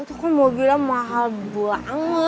itu kemobilan mahal banget